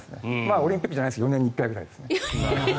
オリンピックじゃないですけど４年に１回くらいです。